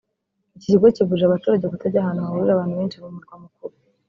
Iki kigo kiburira abaturage kutajya ahantu hahurira abantu benshi mu murwa mukuru